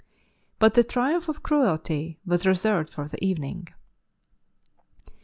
But the triumph of cruelty was reserved for the evening.